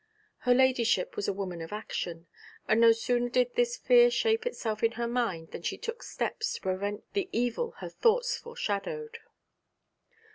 Her ladyship was a woman of action, and no sooner did this fear shape itself in her mind than she took steps to prevent the evil her thoughts foreshadowed.